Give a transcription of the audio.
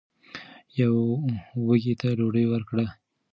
یو وږي ته ډوډۍ ورکړئ.